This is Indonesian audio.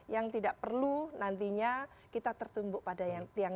yang tidak perlu nantinya kita tertumbuk pasang pasang